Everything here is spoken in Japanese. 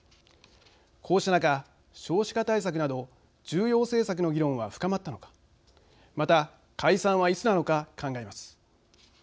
こうした中少子化対策など重要政策の議論は深まったのかまた解散はいつなのか考えます。